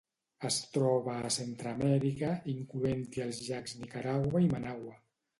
Es troba a Centreamèrica, incloent-hi els llacs Nicaragua i Managua.